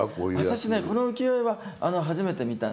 私この浮世絵は初めて見たんですよ。